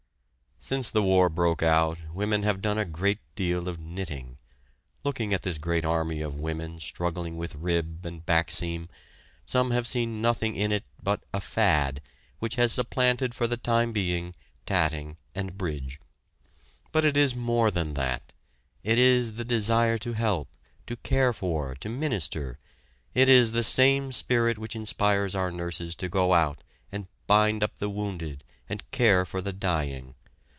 Since the war broke out women have done a great deal of knitting. Looking at this great army of women struggling with rib and back seam, some have seen nothing in it but a "fad" which has supplanted for the time tatting and bridge. But it is more than that. It is the desire to help, to care for, to minister; it is the same spirit which inspires our nurses to go out and bind up the wounded and care for the dying.